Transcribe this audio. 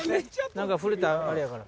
何か触れたらあれやから。